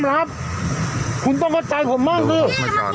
เขาเดิดร้อนเขาจะไปโรงบาลแล้วคุณจะเอาไง